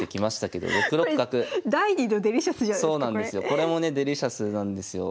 これもねデリシャスなんですよ。